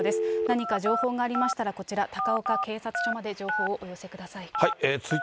何か情報がありましたら、こちら、高岡警察署まで情報をお寄せください。